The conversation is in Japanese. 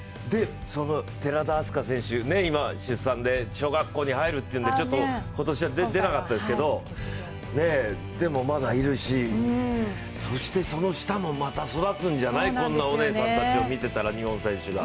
寺田明日香選手、今、出産で、小学校に入るということでちょっと今年は出なかったですけど、でもまだいるし、そしてその下もまた育つんじゃない、こんなお姉さんたちを見てたら日本人選手が。